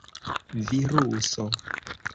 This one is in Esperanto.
viruso